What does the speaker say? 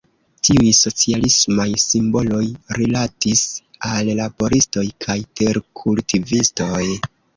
Tiuj socialismaj simboloj rilatis al laboristoj kaj terkultivistoj.